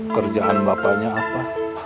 kerjaan bapaknya apa